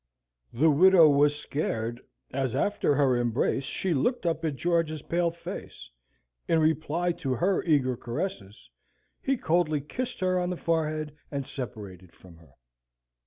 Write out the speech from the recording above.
The widow was scared, as after her embrace she looked up at George's pale face. In reply to her eager caresses, he coldly kissed her on the forehead, and separated from her.